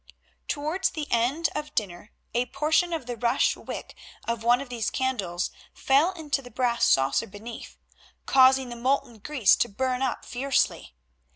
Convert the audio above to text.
Towards the end of dinner a portion of the rush wick of one of these candles fell into the brass saucer beneath, causing the molten grease to burn up fiercely.